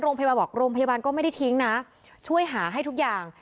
โรงพยาบาลบอกโรงพยาบาลก็ไม่ได้ทิ้งนะช่วยหาให้ทุกอย่าง